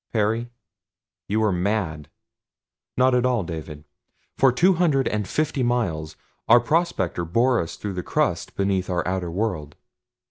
"Perry, you are mad!" "Not at all, David. For two hundred and fifty miles our prospector bore us through the crust beneath our outer world.